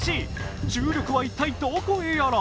重力は、一体どこへやら。